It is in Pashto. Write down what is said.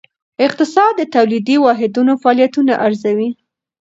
اقتصاد د تولیدي واحدونو فعالیتونه ارزوي.